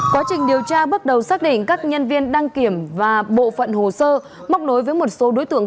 quá trình điều tra bước đầu xác định các nhân viên đăng kiểm và bộ phận hồ sơ móc nối với một số đối tượng